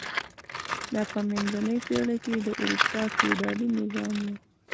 دا په منځنۍ پېړۍ کې د اروپا فیوډالي نظام و.